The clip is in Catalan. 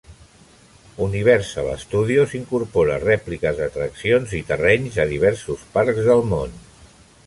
Universal Studios incorpora rèpliques d'atraccions i terrenys a diversos parcs del món.